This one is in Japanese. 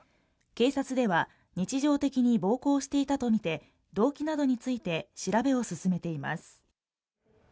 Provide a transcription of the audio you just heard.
警察では日常的に暴行していたとみて動機などについて調べを進めています